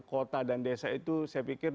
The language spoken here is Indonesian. kota dan desa itu saya pikir